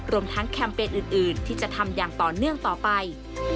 รวมทั้งแคมเปญอื่นที่จะทำอย่างต่อเนื่องต่อไป